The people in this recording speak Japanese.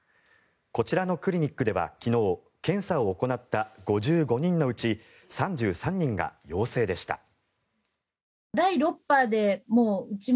こちらのクリニックでは昨日検査を行った５５人のうち３３人が陽性でした。